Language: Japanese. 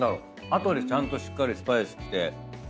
後でちゃんとしっかりスパイスきて。